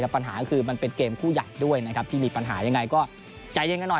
ปัญหาคือเป็นเกมคู่ใหญ่ด้วยที่มีปัญหาอย่างไรก็ใจเย็นกันหน่อย